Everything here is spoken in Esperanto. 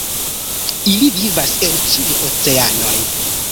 Ili vivas en ĉiuj oceanoj.